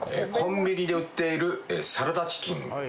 コンビニで売っているサラダチキン。